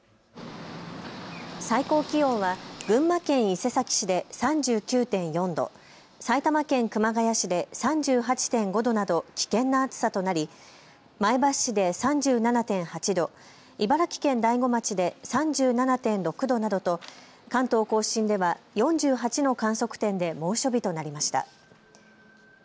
最高気温は群馬県伊勢崎市で３９．４度、埼玉県熊谷市で３８．５度など危険な暑さとなり前橋市で３７．８度、茨城県大子町で３７．６度などと関東甲信では４８の観測点で猛暑日となりました。